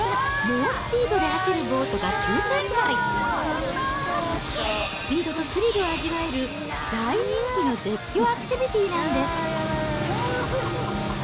猛スピードで走るボートが急スピードとスリルを味わえる大人気の絶叫アクティビティなんです。